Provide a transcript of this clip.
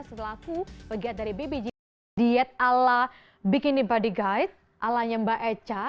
setelah aku pegat dari bbg diet ala bikin body guide alanya mbak eca